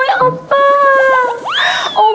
โอ๊ยอ๊อปป้า